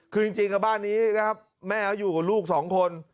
คือจริงกับบ้านนี้นะครับแม่เขาอยู่กับลูกสองคน